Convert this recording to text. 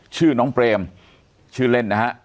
ชื่อน้องเปรมชื่อเล่นนะฮะ